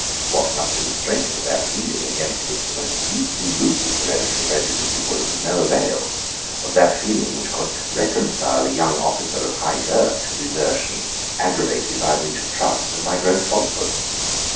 What must be the strength of that feeling against which the most deeply rooted hereditary prejudices were of no avail, of that feeling which could reconcile a young officer of high birth to desertion, aggravated by breach of trust and by gross falsehood?